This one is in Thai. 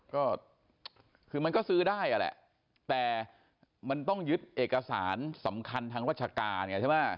ก็คือมันก็ซื้อได้อ่ะแหละแต่มันต้องยึดเอกสารสำคัญทางราชการไงใช่ไหม